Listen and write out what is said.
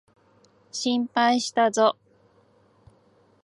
心配したぞ。